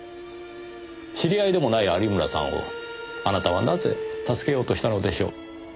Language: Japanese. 知り合いでもない有村さんをあなたはなぜ助けようとしたのでしょう？